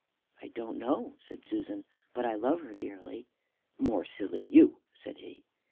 "I don't know," said Susan, "but I love her dearly." "More silly you," said he.